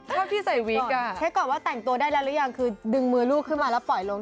เท่าที่ใส่วิกอ่ะเช็คก่อนว่าแต่งตัวได้แล้วหรือยังคือดึงมือลูกขึ้นมาแล้วปล่อยลง